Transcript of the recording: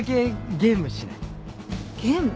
ゲーム？